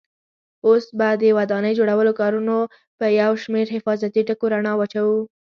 اوس به د ودانۍ جوړولو کارونو په یو شمېر حفاظتي ټکو رڼا واچوو.